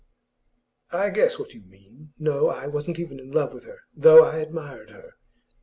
'I guess what you mean. No; I wasn't even in love with her, though I admired her.